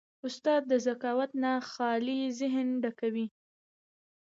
استاد د ذکاوت نه خالي ذهنونه ډکوي.